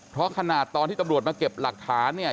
เพราะขนาดตอนที่ตำรวจมาเก็บหลักฐานเนี่ย